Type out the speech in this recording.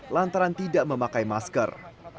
lantaran tidak memakai masker